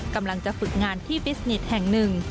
กำลังจะฝึกงานที่ฟิสนิทแห่งหนึ่ง